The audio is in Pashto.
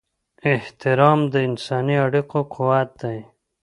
احترام د انساني اړیکو قوت دی.